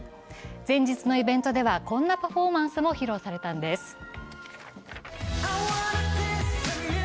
前日のイベントではこんなパフォーマンスも披露されたんです。